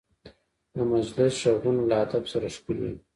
د مجلس غږونه له ادب سره ښکلي وي